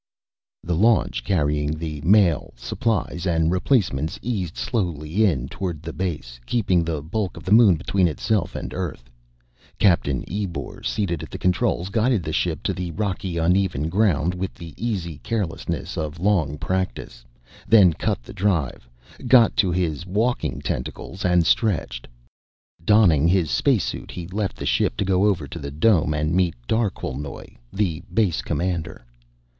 _ The launch carrying the mail, supplies and replacements eased slowly in toward the base, keeping the bulk of the Moon between itself and Earth. Captain Ebor, seated at the controls, guided the ship to the rocky uneven ground with the easy carelessness of long practice, then cut the drive, got to his walking tentacles, and stretched. Donning his spacesuit, he left the ship to go over to the dome and meet Darquelnoy, the base commander.